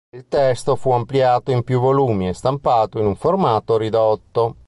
Il testo fu ampliato in più volumi e stampato in un formato ridotto.